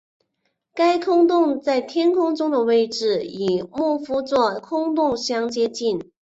该空洞在天空中的位置与牧夫座空洞相接近。